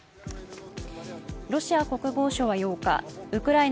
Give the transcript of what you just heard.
ロシア国防省は８日ウクライナ